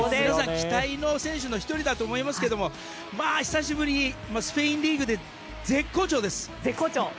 期待の選手の１人だと思いますけどスペインリーグで絶好調です。